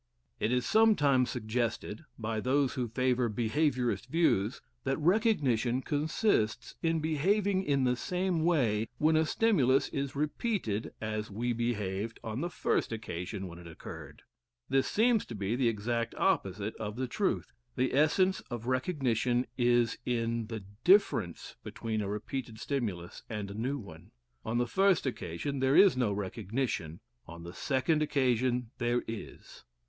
It is sometimes suggested, by those who favour behaviourist views, that recognition consists in behaving in the same way when a stimulus is repeated as we behaved on the first occasion when it occurred. This seems to be the exact opposite of the truth. The essence of recognition is in the DIFFERENCE between a repeated stimulus and a new one. On the first occasion there is no recognition; on the second occasion there is.